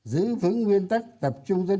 giữ vững nguyên tắc tập trung dân tộc